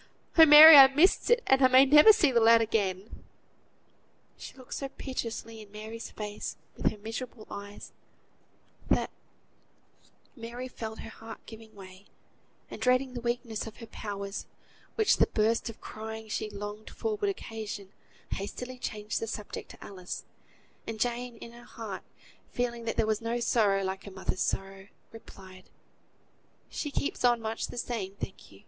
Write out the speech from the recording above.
Oh! Mary, I missed it; and I may never see the lad again." She looked so piteously in Mary's face with her miserable eyes, that Mary felt her heart giving way, and, dreading the weakening of her powers, which the burst of crying she longed for would occasion, hastily changed the subject to Alice; and Jane, in her heart, feeling that there was no sorrow like a mother's sorrow, replied, "She keeps on much the same, thank you.